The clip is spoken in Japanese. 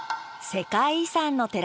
世界遺産の寺